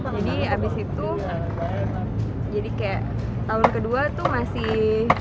jadi abis itu jadi kayak tahun kedua tuh masih